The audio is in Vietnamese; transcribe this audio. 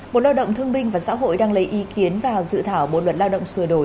bộ lao động thương binh và xã hội đang lấy ý kiến vào dự thảo bộ luật lao động sửa đổi